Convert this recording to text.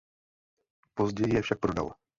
Později je však prodal.